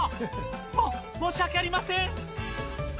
も、申し訳ありません。